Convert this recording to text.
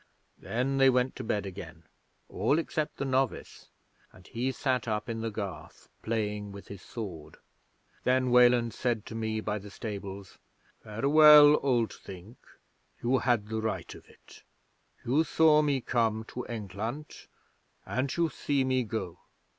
Then they went to bed again, all except the novice, and he sat up in the garth playing with his sword. Then Weland said to me by the stables: "Farewell, Old Thing; you had the right of it. You saw me come to England, and you see me go.